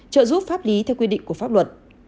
trợ giúp pháp lý theo quy định của pháp luật